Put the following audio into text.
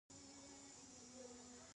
افغانستان د رسوب له پلوه متنوع دی.